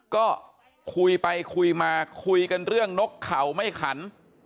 ก็คุยไปคุยมาคุยกันเรื่องนกเข่าไม่ขัน